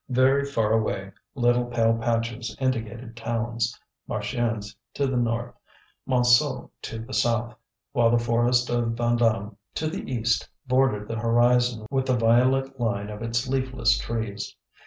Very far away little pale patches indicated towns, Marchiennes to the north, Montsou to the south; while the forest of Vandame to the east bordered the horizon with the violet line of its leafless trees.